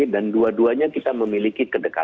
dan dua duanya kita memiliki kedekatan